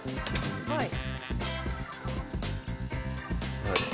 はい。